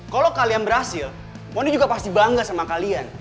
kalo kalian berhasil mondi juga pasti bangga sama kalian